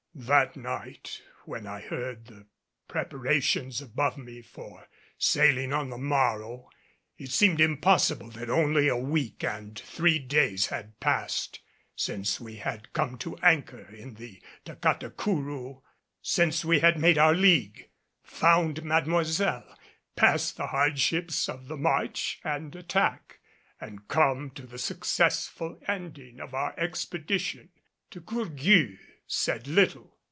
That night when I heard the preparations above me for sailing on the morrow, it seemed impossible that only a week and three days had passed since we had come to anchor in the Tacatacourou since we had made our league found Mademoiselle passed the hardships of the march and attack, and come to the successful ending of our expedition. De Gourgues said little.